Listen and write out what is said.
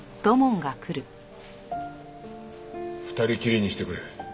２人きりにしてくれ。